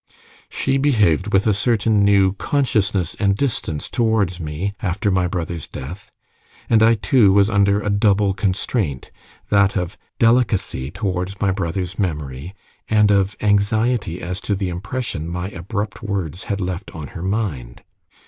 She behaved with a certain new consciousness and distance towards me after my brother's death; and I too was under a double constraint that of delicacy towards my brother's memory and of anxiety as to the impression my abrupt words had left on her mind.